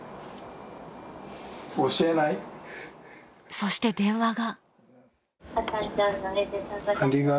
［そして電話が］